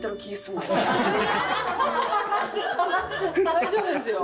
「“大丈夫ですよ”」